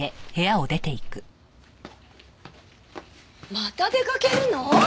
また出かけるの？